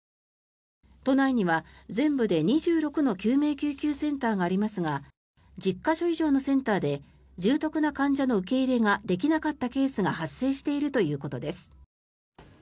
都内には全部で２６の救命救急センターがありますが１０か所以上のセンターで重篤な患者の受け入れができなかったケースが発生しているということです。